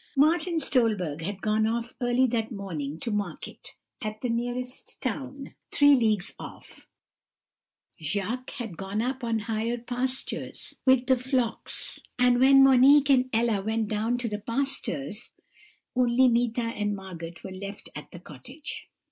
"Martin Stolberg had gone off early that morning to market, at the nearest town, three leagues off; Jacques had gone up on the higher pastures with the flocks; and when Monique and Ella went down to the pastor's, only Meeta and Margot were left at the cottage.